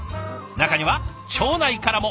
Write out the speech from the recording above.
中には町内からも！